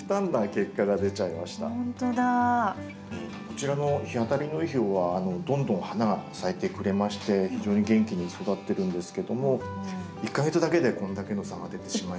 こちらの日当たりのいい方はどんどん花が咲いてくれまして非常に元気に育ってるんですけども１か月だけでこんだけの差が出てしまいました。